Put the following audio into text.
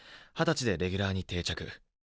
二十歳でレギュラーに定着。